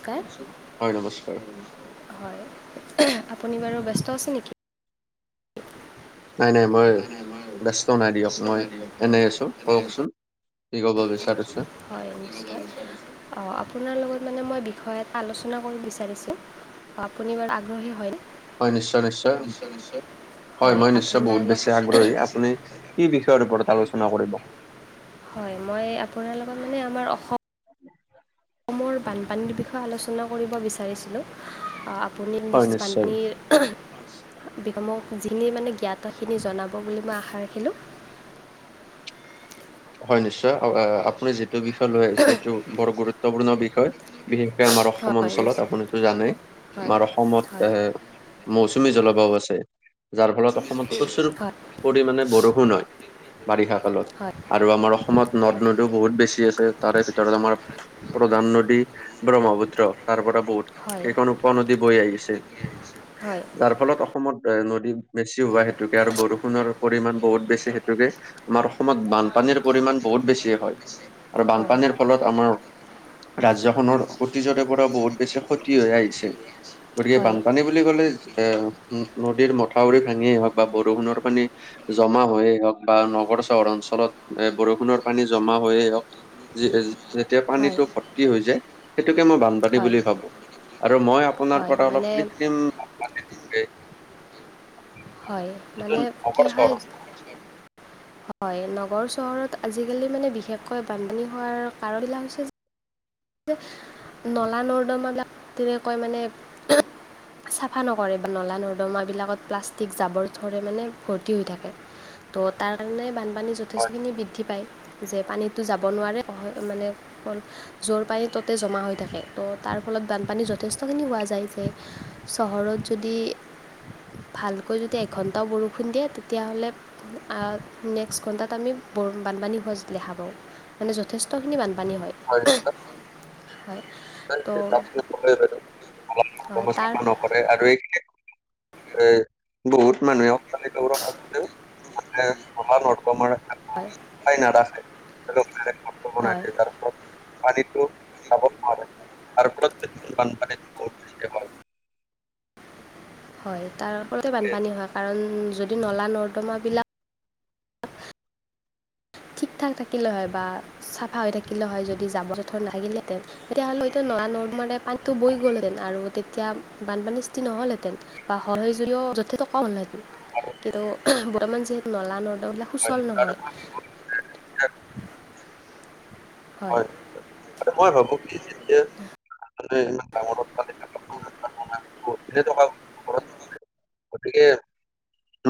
আকাশ হয় নমস্কাৰ। হয় আপুনি বাৰু ব্যস্ত আছে নেকি? নাই, নাই মই ব্যস্ত নাই দিয়ক মই এনেই আছোঁ কওকচোন। কি ক'ব বিচাৰিছে? হয় নিশ্চয় অ আপোনাৰ লগত মানে মই বিষয়ে এটা আলোচনা কৰিব বিচাৰিছো। আপুনি বাৰু আগ্ৰহী হয়নে? হয় নিশ্চয়, নিশ্চয় হয় মই নিশ্চয় আপোনাৰ বহুত বেছি লগত আগ্ৰহী আপুনি। কি বিষয়ৰ ওপৰত আলোচনা কৰিব? হয় মই আপোনাৰ লগত মানে আমাৰ অসম [inaudible] অসমৰ বানপানীৰ বিষয়ে আলোচনা কৰিব বিচাৰিছিলোঁ আপুনি। হয় নিশ্চয় [unintelligible] [unintelligible] যিখিনি মানে জ্ঞাত সেইখিনি জনাব বুলি মই আশা ৰাখিলোঁ হয় নিশ্চয় আপুনি যিটো বিষয় লৈ আহিছে এইটো বৰ গুৰুত্বপূৰ্ণ বিষয়। বিশেষকে আমাৰ অসম হয় অঞ্চলত নিশ্চয় আপুনিতো জানেই হয় আমাৰ অসমত হয় এ মৌচুমী জলবায়ু আছে যাৰ ফলত অসমত প্ৰচুৰ হয় পৰিমাণে বৰষুণ হয় বাৰিষা কালত। হয় আৰু আমাৰ অসমত নদ নদীও বহুত বেছি আছে তাৰে ভিতৰত আমাৰ। প্ৰধান নদী ব্ৰহ্মপুত্ৰ তাৰ পৰা বহুত হয় কেইখন উপ উপনদী বৈ আহিছে হয় যাৰ ফলত অসমত এ নদী বেছি হোৱা হেতুকে আৰু বৰষুণৰ পৰিমণ বহুত বেছি হেতুকে। আমাৰ অসমত বানপানীৰ পৰিমান বহুত বেছি হয় আৰু হয় বানপানীৰ ফলত আমাৰ। ৰাজ্যখনৰ অতীজৰে পৰা বহুত বেছি ক্ষতি হৈ আহিছে। গতিকে হয় বানপানী বুলি ক'লে এ নদীৰ মথাউৰি ভাঙিয়েই হওক বা বৰষুণৰ পানী। জমা হৈয়ে হওক বা নগৰ চহৰ অঞ্চল ফলত এ বৰষুণৰ পানী জমা হৈয়ে হওক যে-যেতিয়া হয় পানীটো ফৰ্তি হৈ যায়। সেইটোকে মই বানপানী হয় বুলি ভাৱোঁ আৰু মই আপোনাৰ হয় পৰা অলপ মানে কৃত্ৰিম। [unintelligible] হয় যিটো মানে কি নগৰ চহৰ হয়। হয় নগৰ চহৰত আজিকালি মানে বিশেষকৈ বানপানী হোৱাৰ কাৰন বিলাক হৈছে যে। [inaudible] নলা-নৰ্দমা বিলাক তেনেকৈ মানে। চাফা নকৰে নলা নৰ্দমাবিলাকত প্লাষ্টিক জাবৰ জোঁথৰে মানে ভৰ্তি হৈ থাকে। ত' তাৰ কাৰণে বানপানী হয় যথেষ্টখিনি বৃদ্ধি পায়। যে পানীতো যাব নোৱাৰে মানে [unintelligible] যোৰ পানী ততে জ মা হৈ থাকে ত' তাৰ ফলত বানপানী যথেষ্টখিনি হোৱা যায় যে চহৰত যদি। ভালকৈ যদি এঘন্টাও বৰষুণ দিয়ে তেতিয়াহ'লে। আৰ নেক্সট ঘণ্টাত আমি বৰ বানপানী হোৱা দেখা পাওঁ। মানে যথেষ্টখিনি বানপানী হয়। হয়। [unintelligible] হয় তো হয় তাৰ [unintelligible] কৰে আৰু এইখিনিত এ বহুত মানুহে। [unintelligible] মানে নলা নৰ্দমাৰ। হয়ঁ! হয় নাদা খাই হয় পানীটো চাব নাৰে আৰু প্ৰতে বানপানী- হয় তাৰ ওপৰতে সেয়ে বানপানী হয় কাৰণ যদি নলা নৰ্দমাবিলাক- ঠিক ঠাক থাকিলেও হয় বা চাফা হৈ থাকিলেও হয় যদি জাবৰ জেথৰ নাথিলহেঁতেন। তেতিয়াহ'লে সটো নৰা নদমা মে পানীতটো বৈ গ'লহেতেন আৰু তেতিয়া বানপানী সি নহ'লহেঁতেন। বা সৰ সজুৰিও যথেষ্টকাম নাই কিন্তু বৰ্তমান যিহেতু নলা নৰ্দ বিলাক হয় সুচল আৰু নহয়। মই চেছ চে হয়ঁ হয়ঁ মই ভাবো কি যেতিয়া মানে ডাঙৰ পোলিৱা হ'লে ধেই টকা ঘটিব পাৰে গতিকে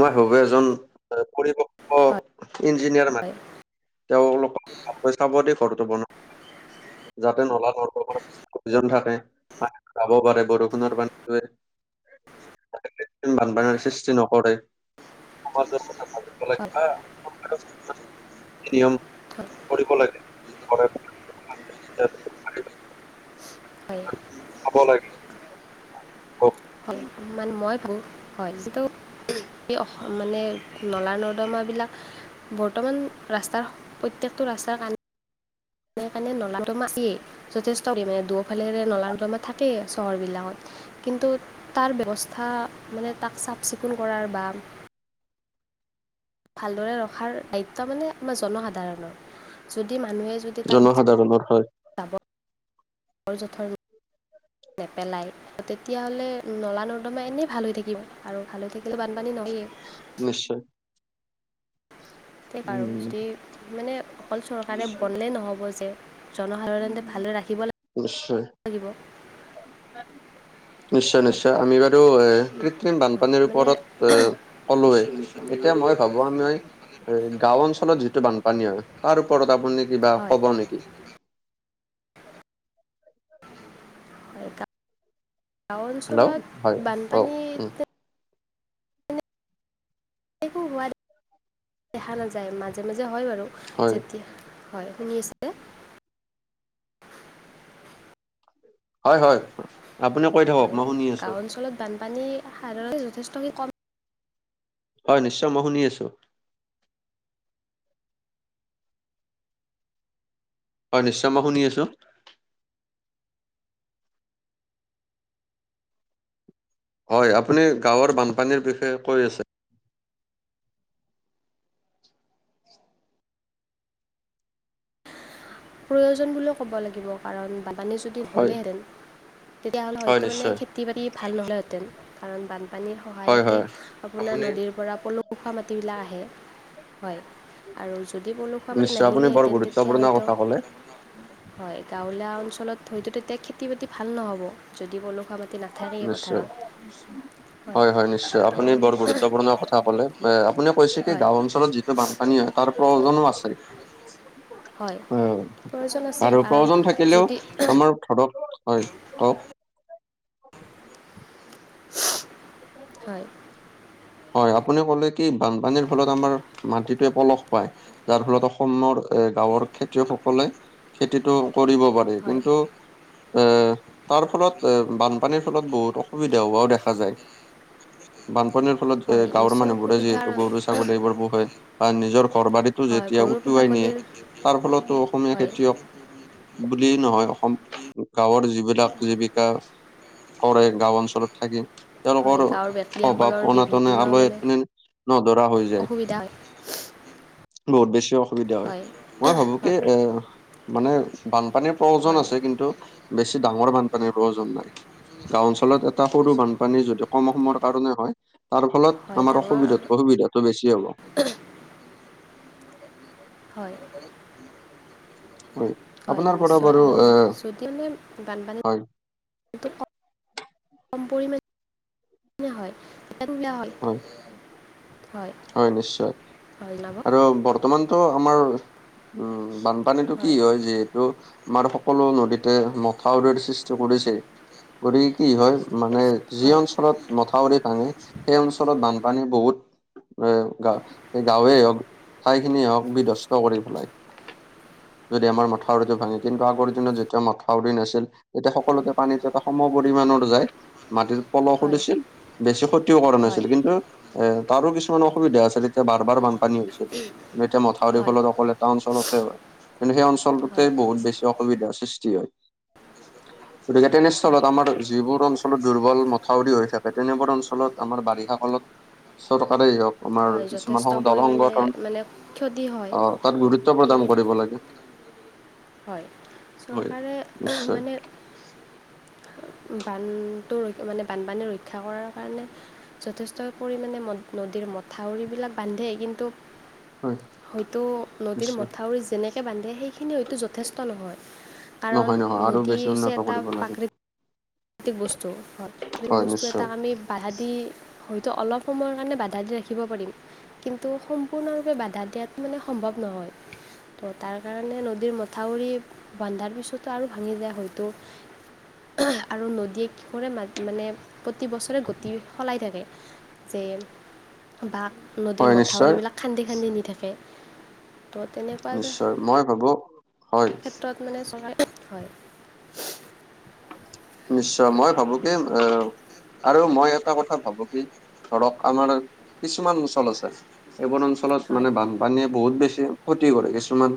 মই ভাবো এজন পৰিপক্ক হয় ইঞ্জিনিয়াৰ- হয় মাত তেওঁলোকৰ চাব দি ঘৰটো বনওঁ যাতে নলা নৰ্দমাৰ খতিজন থাকে। পানীটো যাৱ পাৰে বৰষুণৰ পানীটোৱে। প্ৰকৃতো বানপানীৰ সৃষ্টি নকৰে সমাজৰ কথা ভাবে। ক'লে হয় তাৰ নিয়ম হয় কৰিব লাগে ঘৰে ঘৰে হয়ঁ! হ'ব লাগিব অঁ! হয় মানে মই ক হয় যটো এই অসম মানে নলা নৰ্দমা বিলাক- বৰ্তমান ৰাস্তাৰ প্ৰত্যেকটো ৰাস্ত কাৰণে সেইকাৰণে নলা দমা বেছি যথেষ্ট পৰিমণে দুফালেৰে নলানদমা থাকেই চহৰ বিলাকত। কিন্তু তাৰ ব্যৱস্থা মানে তাক চাফ চিকুণ কৰাৰ বা ভালদৰে ৰখাৰ দায়িত্ব মানে আমাৰ জনসাধাৰণৰ যদি মানুহে য- জনসাধাৰণৰ হয়। বৰ জোথৰ নেপেলায়। তেতিয়াহলে নলা নৰ্দমা এনেই ভাল হৈ থাকিব আৰু ভাল হৈ থাকিলে বানপানী নহয়ে। নিশ্চয়। তে আৰু উম যদি- মানে অকল চৰকাৰে বলে নহ'ব যে জনসাধাৰণতে ভালদৰে ৰাখিব লাগে। নিশ্চয়। লাগিব। [unintelligible] নিশ্চয় হয় নিশ্চয় আমি বাৰু এ কৃত্ৰিম বানপানীৰ হয় মানে ওপৰত এ কলোৱেই। এতিয়া মই ভাবো আ নই এই গাও অঞ্চলত যিটো বানপানী হয় তাৰ ওপৰত আপুনি কিবা হয় কব নেকি? গা গাঁও হেল্ল' অঞ্চলত হয় কওক উম বানপানীতে- একো হোৱা দেখা নাযায় মাজে মাজে হয় বাৰু হয় যেতিয়া হয়ঁ শুনি আছো। হয়ঁ হয়ঁ আপুনি কৈ থাকক মই শুনি আছোঁ। বানপানীৰ সাৰ যথেষ্টখিনি কম হয়ঁ নিশ্চয় মই শুনি আছোঁ। হয় নিশ্চয় মই শুনি আছোঁ। হয়, আপুনি গাঁৱৰ বানপানীৰ বিষয়ে কৈ আছে। প্ৰয়োজন বুলিও ক'ব লাগিব। কাৰণ বানপানী যদি হয় হ'লেহেঁতেন, তেতিয়াহ'লে হয় হয়তো মানে নিশ্চয় খেতি বাতি ভাল নহলেহেঁতেন। কাৰণ বানপানীৰ হয় সহায়তে হয় আপোনাৰ আপুনি নদীৰ পৰা বোকা মাতি বিলাক আহে। হয়। আৰু যদি পলসুৱা মাটি নিশ্চয় আপুনি বৰ নাহিলেহেঁতেন তেতিয়া গুৰুত্বপূৰ্ণ হয়তো কথা ক'লে হয়। গাঁৱলীয়া অঞ্চলত হয়তো তেতিয়া খেতি বাতি ভাল নহব, যদি পলুহুৱা মাটি নাহে পথাৰে নিশ্চয় পথাৰত। হয়, ত ব, আপুনি কৈছে কি গাওঁ অঞ্চলত যিটো বানপানী হয়, তাৰ প্ৰয়োজনো আছে। [inaudible] হয়। প্ৰয়োজন আছে আৰু কাৰণ প্ৰয়োজন থাকিলেও যদি আমাৰ ধৰক হয়, ক'ক? [inaudible] হয়। হয় আপুনি ক'লে কি, বানপানীৰ ফলত আমাৰ মাটিটোৱে পলস পায়। যাৰ ফলত অসমৰ এ গাঁৱৰ খেতিয়কসকলে খেতিটো কৰিব পাৰে। হয় কিন্তু, এ, তাৰ ফলত এ, বানপানীৰ ফলত বহুত অসুবিধা হোৱাও দেখা যায়। বানপানীৰ ফলত এ হয় গাঁৱৰ নিশ্চয় মানুহবোৰে অসুবিধাৰ যিহেতু গৰু ছাগলী এইবোৰ পোহে, বা নিজৰ ঘৰ বাৰী টো হয় যেতিয়া গৰু উটুৱাই নিয়ে, ছাগলীৰ তাৰ ফলতো অসমীয়া হয় খেতিয়ক বুলি নহয়, অসম গাঁৱৰ যিবিলাক জীৱিকা কৰে গাঁও অঞ্চলত থাকি। হয় তেওঁলোকৰ গাঁৱৰ অভাৱ ব্যক্তিসকলৰ অনাটনে বিভিন্ন আলৈ মানে আঠনে নধৰা হৈ যায়। অসুবিধা হয় বহুত বেছি অসুবিধা হয়। মই ভাবো কি এ, মানে বানপানীৰ প্ৰয়োজন হয় আছে কিন্তু বেছি ডাঙৰ বানপানীৰ প্ৰয়োজন নাই। গাঁও অঞ্চলত এটা সৰু বান পানী যদি কম সময়ৰ কাৰণে হয়, তাৰ ফলত হয় আমাৰ ডাঙৰ অসুবিধাত কৈ সুবিধাটো বেছি হ'ব। হয়। হয়, আপোনাৰ পৰা নিশ্চয় বাৰু আৰু এ যদি আমি বানপানী হয়, কম পৰিমাণে হয় [unintelligible] হ'ল হয়, [inaudible] হয় নিশ্চয়। হয় জনাব আৰু বৰ্তমানটো আমাৰ উম বানপানীটো কি হয় যিহেতু, আমাৰ সকলো নদীতে মথাউৰী স্সৃ কৰিছে। গতিকে কি হয় মানে যি হয় অঞ্চলত মথাউৰি ভাঙে, সেই অঞ্চ চলত বানপানী বহুত এ, গা গাঁৱে হওক, ঠাইখিনিয়ে হওক, বিধস্ত কৰি পেলাই। যদি আমাৰ মথাউৰিটো ভাঙে, কিন্তু আগৰ দিনত যেতিয়া মথাউৰি নাছিল, তেতিয়া সকলোতে পানীত এটা সমপৰিমণৰ যায়। মাটিৰ পলসো হয় দিছিল, বেছি ক্ষতিওকৰা হয় নাছিল। কিন্তু এ তাৰো কিছুমান অসুবিধা আছিল, তেতিয়া বাৰ- বাৰ বানপানী হৈছিল। এতিয়া মথাউৰিৰ হয় ফলত অকলে এটা অঞ্চলতে হয়। কিন্তু সেই অঞ্চলটোতে হয় বহুত বেছি অসুবিধাৰ সৃষ্টি হয়। গতিকে হয় তেনেস্থলত আমাৰ যিবোৰ অঞ্চলত দুৰ্বল মথাউৰি হৈ থাকে, তেনেবোৰ অঞ্চলত আমাৰ বাৰিষা কালত ছশ টকাতে যাওঁক [unintelligible] আমাৰ হয় কিছুমান যথেষ্ট সং দল পৰিমাণে সংগঠন, মানে ক্ষতি হয় আহ তাত হয় গুৰুত্ব সেই প্ৰদান কৰিব লাগে হয়, হয় চৰকাৰে নিশ্চয় মানে বানটো ৰ মানে বানপানী ৰক্ষা কৰাৰ কাৰণে যথেষ্ট পৰিমাণে নদীৰ মথাউৰিবিলাক বান্ধে কিন্তু হয় হয়তো নদীৰ নিশ্চয় মথাউৰি যেনেকে বান্ধে সেই সিখিনি হয়তো যথেষ্ট নহয়, কাৰণ নহয় নহয় আৰু নদী বেছি হৈছে উন্নত এটা কৰিব লাগিব প্ৰাকৃ- তিক বস্তু হয়, প্ৰাকৃতিক হয় বস্তু এটা নিশ্চয় আমি বাধা দি হয়তো অলপ সময়ৰ কাৰণে বাধা দি ৰাখিব পাৰিম কিন্তু সম্পূৰ্ণৰূপে বাধা দিয়াত মানে সম্ভৱ নহয়। ত', তাৰ কাৰণে নদীৰ মথাউৰি বন্ধাৰ পিছতো আৰু ভাঙি যায় হয়তো [unintelligible] আৰু নদীয়ে কি কৰে মানে প্ৰতিবছৰে গতি সলাই থাকে। যেন বাঘ নদীৰ হয় নিশ্চয় মথাউৰিবিলাক খান্দি খান্দি নি থাকে। ত তেনে, নিশ্চয়, মই ভাবোঁ, হয়। তাত মানে [unintelligible] হয় নিশ্চয় মই ভাবো কি, আহ আৰু মই এটা কথা ভাবো কি ধৰক আমাৰ কিছুমান অঞ্চল আছে এইবোৰ অঞ্চলত হয় মানে বান- পানীয়ে বহুত বেছি ক্ষতি কৰে, কিছুমান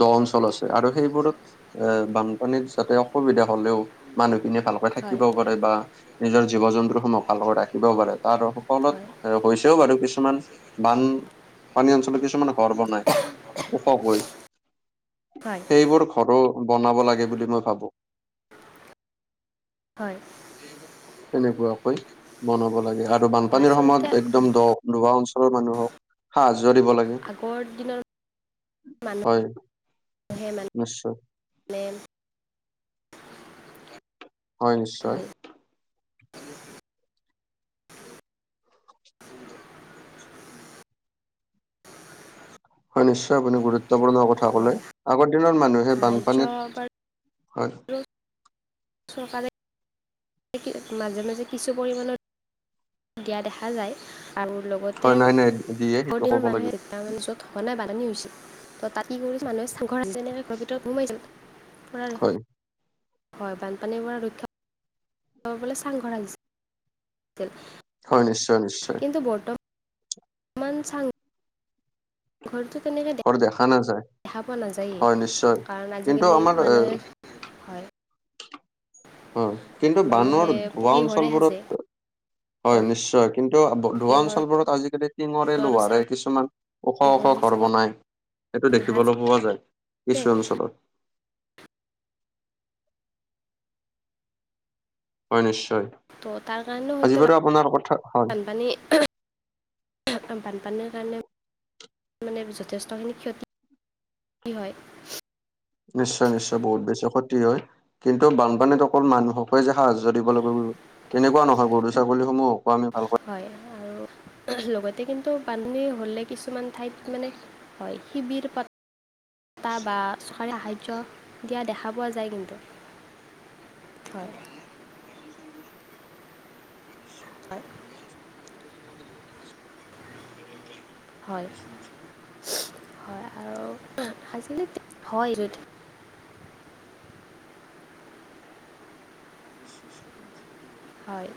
দ অঞ্চল আছে আৰু সেইবোৰত এ বানপানীত যাতে অসুবিধা হলেও মানুহখিনিয়ে ভালকৈ হয় থাকিবও পাৰে বা - নিজৰ জীৱ জন্তুসমূহ ভালক ৰাখিবও পাৰে তাৰ সফত হয় এ হৈছেও বাৰু কিছুমান। বান পানী অঞ্চলত কিছুমান ঘৰ বনাই ওখকৈ হয়। সেইবোৰ ঘৰ‌ও বনাব লাগে বুলি মই ভাবো। হয়। তেনেকুৱাকৈ বনাব লাগে, আৰু হয় বানপানীৰ আচলতে সময়ত একদম দ- দুবা অঞ্চলৰ মানুহক সাহায্য দিব লাগে, আগৰ দিনৰ হয়। মানুহে মানে নিশ্চয়। [unintelligible] হয় নিশ্চয়। হয় নিশ্চয় আপুনি গুৰুত্বপূৰ্ণ কথা কলে, হয় আগৰ দিনৰ মানুহে সাহাৰ্য বানপানীত হয়। [unintelligible] চৰকাৰে মাজে মাজে কিছু পৰিমাণৰ [unintelligible] দিয়া দেখা যায়। আৰু লগতে হয় নাই নাই দিয়ে আগৰ সেইটো দিনৰ ক'ব লাগিব মানুহে [unintelligible] [unintelligible] হয় হয় বানপানী পৰা ৰক্ষা পাবলে চাংঘৰ সাজিছিল। হয় নিশ্চয় নিশ্চয়। কিন্তু বৰ্ত- মান চাং- ঘৰতো কেনেকে দে- ঘৰ দেখা নাযায়। দেখা পোৱা হয় নাযায়েই। নিশ্চয় কাৰণ কিন্তু আজিকালি আমাৰ এ মানুহে, হয়। হয়। কিন্তু মানুহে বানৰ দুৱা পকী ঘৰে সাজে অঞ্চলবোৰত তো হয় নিশ্চয়। কিন্তু পকী ধুৱা ঘৰটো অঞ্চলবোৰত আজিকালি টিঙৰে আৰু লোহাৰে কিছুমান ওখ চাংঘৰ ওখ ঘৰ হিচাপত বনাই, সেইটো দেখিবলৈ নাসাজে পোৱা যায় কিছু অঞ্চলত। হয় নিশ্চয়। ত' তাৰ কাৰণেও আজি হয়তো বাৰু আপোনাৰ কথা হয় বানপানী [unintelligible] [unintelligible] বানপানীৰ কাৰণ মানে যথেষ্টখিনি ক্ষতি হয়। নিশ্চয় -নিশ্চয় বহুত বেছি ক্ষতি হয়। কিন্তু বানপানীত অকল মানুহক যে সাহায্য দিব লাগিব তেনেকুৱা নহয়। গৰু-ছাগলীসমূহক আমি ভালা হয় আৰু লগতে কিন্তু পানী হ'লে কিছুমান ঠাইত মানে হয় শিবিৰ পাত এটা বা চৰকাৰী সাহাৰ্য্য দিয়া দেখা পোৱা যায় কিন্তু। হয়। হয়। হয় হয় আৰু আজিলৈ হয় এইটো হয়।